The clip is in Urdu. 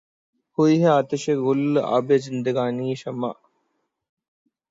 ہوئی ہے آتشِ گُل آبِ زندگانیِ شمع